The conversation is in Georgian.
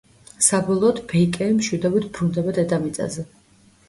საბოლოოდ ბეიკერი მშვიდობით ბრუნდება დედამიწაზე.